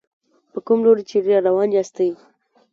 په کوم لوري چېرې روان ياستئ.